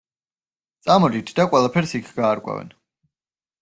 წამოდით, და ყველაფერს იქ გაარკვევენ!